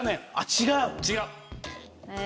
違う。